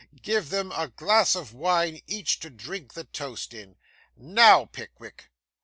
'Give them a glass of wine each to drink the toast in. Now, Pickwick.